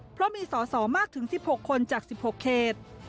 เพราะมีสอสอมากถึงสิบหกคนจากสิบหกเขต